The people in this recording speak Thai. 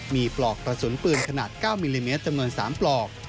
มีปลอกกระสุนปืนขนาด๙มิลลิเมตรจำนวน๓ปลอก